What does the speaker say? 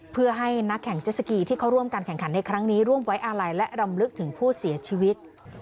เพื่อให้นักแข่งเจสสกีที่เขาร่วมการแข่งขันในครั้งนี้ร่วมไว้อาลัยและรำลึกถึงผู้เสียชีวิต